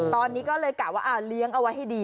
ตอนนี้ก็เลยกะว่าเลี้ยงเอาไว้ให้ดี